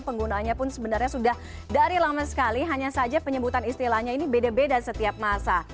penggunaannya pun sebenarnya sudah dari lama sekali hanya saja penyebutan istilahnya ini beda beda setiap masa